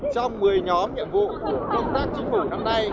trong một mươi nhóm nhiệm vụ công tác chính phủ năm nay